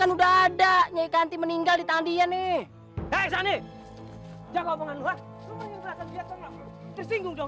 udah ada nyai ganti meninggal di tangannya nih hai sani jaga umpangan lu ha disinggung dong